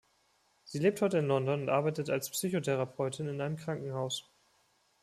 Sie lebt heute in London und arbeitet als Psychotherapeutin in einem Krankenhaus.